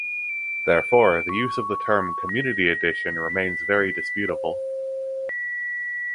Therefore, the use of the term "community edition" remains very disputable.